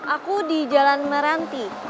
aku di jalan meranti